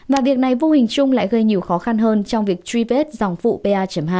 và việc này vô hình chung lại gây nhiều khó khăn hơn trong việc truy vết dòng vụ ba hai